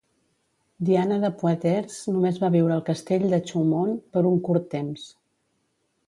Diana de Poitiers només va viure al castell de Chaumont per un curt temps.